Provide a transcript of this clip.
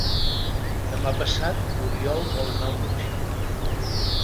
Demà passat n'Oriol vol anar al metge.